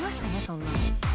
そんなの。